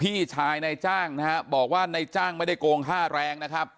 พี่ชายในจ้างนะฮะบอกว่านายจ้างไม่ได้โกงค่าแรงนะครับ